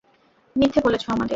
মিথ্যে বলেছে আমাদের।